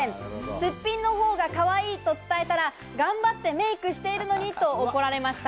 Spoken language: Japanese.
すっぴんのほうが、かわいいと伝えたら、頑張ってメイクしているのにと怒られました。